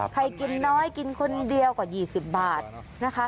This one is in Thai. กินน้อยกินคนเดียวกว่า๒๐บาทนะคะ